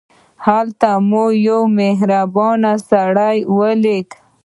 هلته ما یو مهربان سړی ولید.